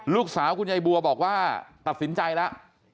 คุณยายบัวบอกว่าตัดสินใจแล้ว